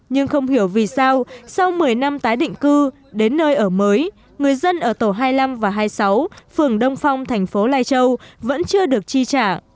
nhưng không hiểu vì sao sau một mươi năm tái định cư đến nơi ở mới người dân ở tổ hai mươi năm và hai mươi sáu phường đông phong thành phố lai châu vẫn chưa được chi trả